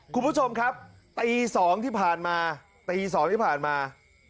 คุณผู้ชมครับตี๒ที่ผ่านมาตี๒ที่ผ่านมา